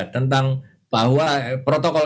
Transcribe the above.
tentang bahwa protokol